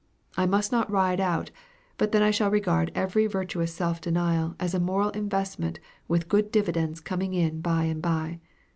I must not ride out; but then I shall regard every virtuous self denial as a moral investment with good dividends coming in by and by.